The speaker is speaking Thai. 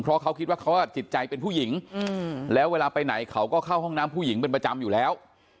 เพราะเขาคิดว่าเขาจิตใจเป็นผู้หญิงแล้วเวลาไปไหนเขาก็เข้าห้องน้ำผู้หญิงเป็นประจำอยู่แล้ว